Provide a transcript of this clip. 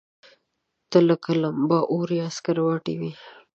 ته لکه لمبه، اور يا سکروټه وې